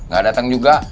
gak dateng juga